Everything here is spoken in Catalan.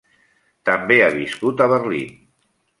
També ha viscut a Berlín.